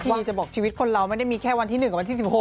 จะบอกชีวิตคนเราไม่ได้มีแค่วันที่๑กับวันที่๑๖